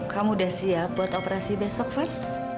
kamu udah siap buat operasi besok van